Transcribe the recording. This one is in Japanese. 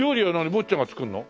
坊ちゃんが作るの？